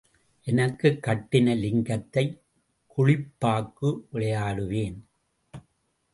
எனக்குக் கட்டின லிங்கத்தைக் குழிப்பாக்கு விளையாடுவேன்.